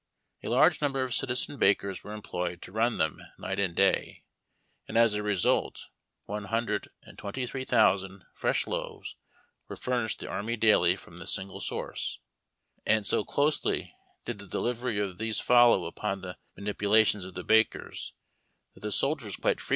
A large number of citizen bakers were employed to run them night and day, and as a result one hundred and twenty three thousand fresh loaves were furnished the army daily from this single source ; and so closely did the delivery of these follow upon the manipu lations of the bakers that the soldiers quite frequently SOFT BREAD.